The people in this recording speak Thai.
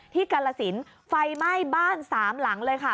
ที่กัลสินไฟไหม้บ้าน๓หลังเลยค่ะ